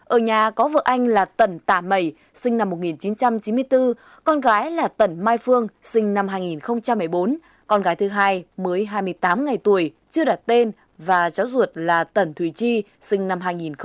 ở nhà có vợ anh là tần tà mẩy sinh năm một nghìn chín trăm chín mươi bốn con gái là tần mai phương sinh năm hai nghìn một mươi bốn con gái thứ hai mới hai mươi tám ngày tuổi chưa đặt tên và cháu ruột là tần thùy chi sinh năm hai nghìn một mươi